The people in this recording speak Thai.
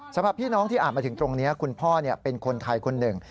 สำหรับพี่น้องที่อ่านมาถึงตรงนี้คุณพ่อเป็นคนไทยคนหนึ่ง